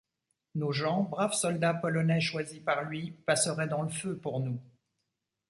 Nos gens, braves soldats polonais choisis par lui, passeraient dans le feu pour nous.